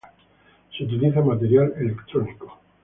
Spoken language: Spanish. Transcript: Se utiliza material electrónico.